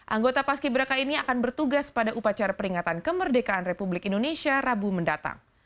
anggota paski beraka ini akan bertugas pada upacara peringatan kemerdekaan republik indonesia rabu mendatang